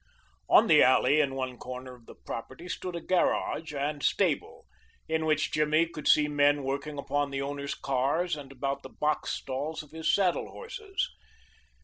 On the alley in one corner of the property stood a garage and stable, in which Jimmy could see men working upon the owner's cars and about the box stalls of his saddle horses.